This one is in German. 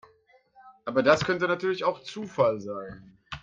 Aber das könnte natürlich auch Zufall sein.